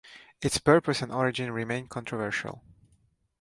Its purpose and origin remain controversial.